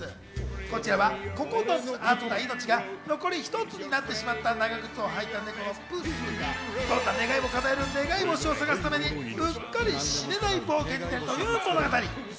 こちらは９つあった命が残り一つになってしまった長ぐつをはいたネコのプスがどんな願いも叶える願い星を探すために、うっかり死ねない冒険に出るという物語。